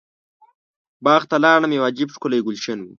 باغ ته لاړم یو عجب ښکلی ګلشن و.